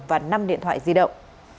và năm điện thoại di động